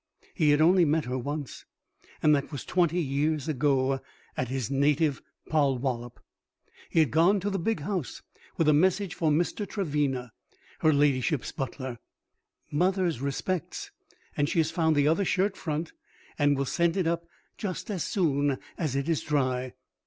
He had only met her once, and that was twenty years ago, at his native Polwollop. He had gone to the big house with a message for Mr. Trevena, her ladyship's butler: "Mother's respects, and she has found the other shirt front and will send it up as soon as it is dry."